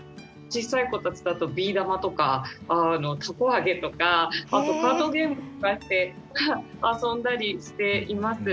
ちっさい子たちだとビー玉とかたこ揚げとかあとカードゲームとかで遊んだりしています。